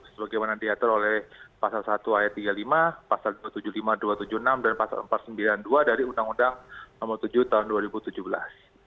sebagaimana diatur oleh pasal satu ayat tiga puluh lima pasal dua ratus tujuh puluh lima dua ratus tujuh puluh enam dan pasal empat ratus sembilan puluh dua dari undang undang nomor tujuh tahun dua ribu tujuh belas